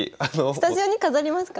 スタジオに飾りますか？